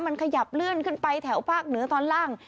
มันขยับเลื่อนขึ้นไปแถวภาคเหนือตอนล่าง